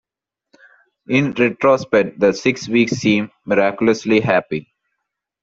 In retrospect the six weeks seemed miraculously happy.